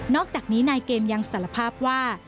อกจากนี้นายเกมยังสารภาพว่า